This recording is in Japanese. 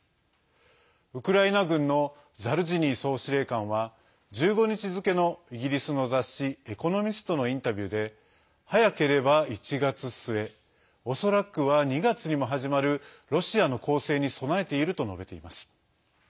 ウクライナ軍のザルジニー総司令官は１５日付のイギリスの雑誌「エコノミスト」のインタビューで早ければ１月末恐らくは２月にも始まるロシアの攻勢に備えていると述べています。